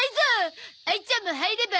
あいちゃんも入れば？